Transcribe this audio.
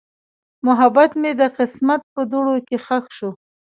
محبت مې د قسمت په دوړو کې ښخ شو.